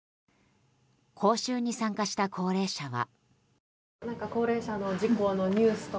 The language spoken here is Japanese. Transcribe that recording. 講習に参加した高齢者は。